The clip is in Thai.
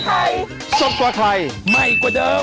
เผาใส่ไทยสดกว่าไทยไหม้กว่าเดิม